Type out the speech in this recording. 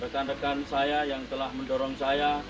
rekan rekan saya yang telah mendorong saya